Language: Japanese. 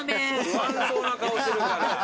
不安そうな顔するから。